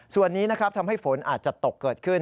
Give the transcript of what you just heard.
ส่วนนี้นะครับทำให้ฝนอาจจะตกเกิดขึ้น